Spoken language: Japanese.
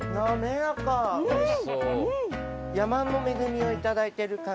山の恵みをいただいてる感じ。